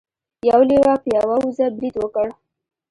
یو لیوه په یوه وزه برید وکړ.